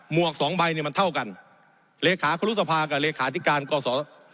วกสองใบเนี่ยมันเท่ากันเลขาครุสภากับเลขาธิการกศ